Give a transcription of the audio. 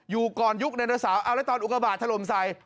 อยู่ก่อนยุคในโดยสาวแล้วตอนอุกบาทถล่มใส่